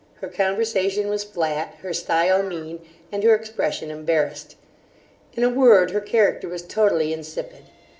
Her conversation was flat, her stile mean, and her expression embarrassed In a word, her character was totally insipid.